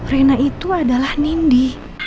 rena itu adalah nindi